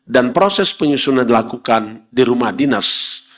dan proses penyusunan dilakukan di rumah dinas